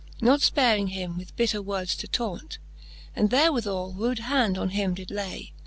Not fparing him with bitter words to taunt ; And therewithall rude hand on him did lay.